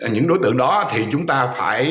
những đối tượng đó thì chúng ta phải